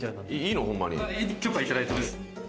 許可いただいています。